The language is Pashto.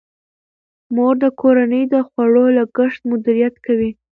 مور د کورنۍ د خوړو لګښت مدیریت کوي.